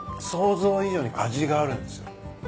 想像以上に味があるんですよ。